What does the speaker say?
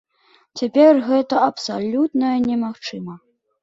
Цяпер гэта абсалютна немагчыма.